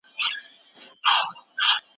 موږ څنګه کولای سو د لوستنې فرهنګ غني کړو؟